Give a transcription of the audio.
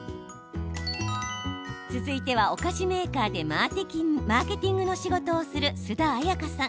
続いては、お菓子メーカーでマーケティングの仕事をする須田彩歌さん。